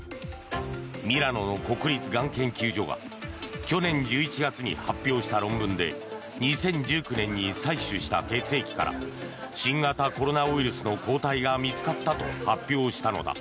ミラノの国立がん研究所が去年１１月に発表した論文で２０１９年に採取した血液から新型コロナウイルスの抗体が見つかったと発表したのだ。